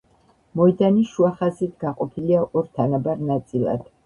მოედანი შუა ხაზით გაყოფილია ორ თანაბარ ნაწილად.